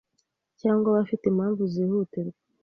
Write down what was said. cyangwa abafite impamvu zihutirwa